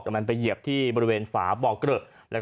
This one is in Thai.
แต่มันไปเหยียบที่บริเวณฝาบ่อเกลอะ